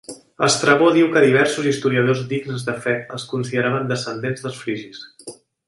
Estrabó diu que diversos historiadors dignes de fe els consideraven descendents dels frigis.